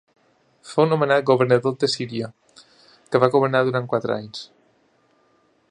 Fou nomenat governador de Síria, que va governar durant quatre anys.